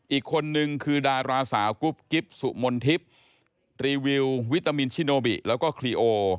อีกคนนึงคือดาราสาวกลวกกิปสุมนติพรรีวิววิตามินชิโนบิและเครีโอ